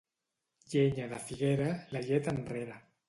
Llenya de figuera, la llet enrere.